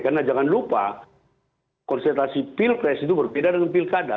karena jangan lupa konsultasi pilpres itu berbeda dengan pilkada